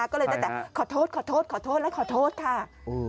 ก็เลยจะแต่ขอโทษขอโทษขอโทษแล้วขอโทษค่ะ